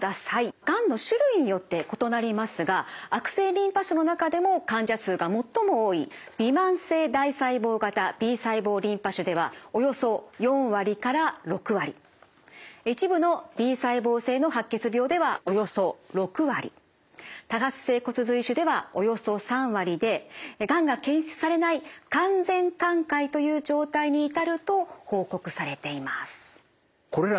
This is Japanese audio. がんの種類によって異なりますが悪性リンパ腫の中でも患者数が最も多いびまん性大細胞型Ｂ細胞リンパ腫ではおよそ４割から６割一部のＢ細胞性の白血病ではおよそ６割多発性骨髄腫ではおよそ３割でがんが検出されない完全寛解という状態に至ると報告されています。